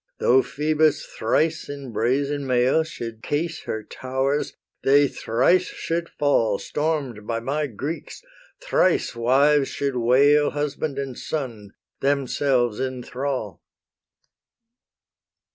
Though Phoebus thrice in brazen mail Should case her towers, they thrice should fall, Storm'd by my Greeks: thrice wives should wail Husband and son, themselves in thrall."